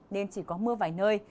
nên chỉ có mưa vài nơi